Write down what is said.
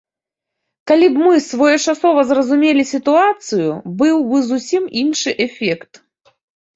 Калі б мы своечасова зразумелі сітуацыю, быў бы зусім іншы эфект.